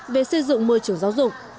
về xây dựng môi trường giáo dục